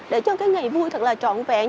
để cho cái ngày vui thật là trọn vẹn